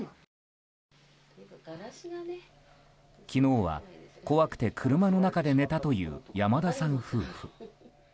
昨日は怖くて車の中で寝たという山田さん夫婦。